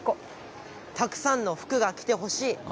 たくさんの福が来てほしい。